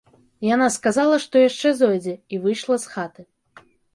Яна сказала, што яшчэ зойдзе, і выйшла з хаты.